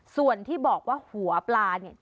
ส่วนที่บอกว่าหัวปลา